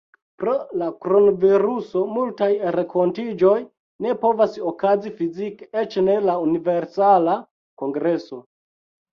Pro la kronviruso multaj renkontiĝoj ne povas okazi fizike, eĉ ne la Universala Kongreso.